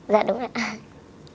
dạ đúng ạ